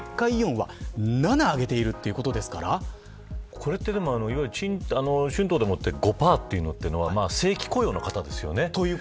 これはいわゆる春闘でもって５％というのは正規雇用の方ですよね。